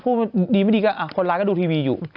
ดีไม่ดีก็คนร้ายก็ดูทีวีอยู่